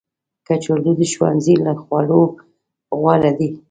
کچالو د ښوونځي له خوړو غوره دي